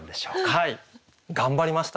はい頑張りました。